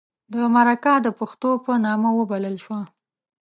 د مرکه د پښتو په نامه وبلله شوه.